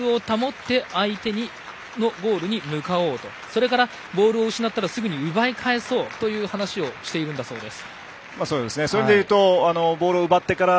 長くボールを保って相手のゴールに向かおうとそれから、ボールを失ったときにはすぐに奪い返そうと話をしているということでした。